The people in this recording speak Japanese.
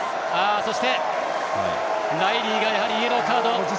そして、ライリーがやはりイエローカード。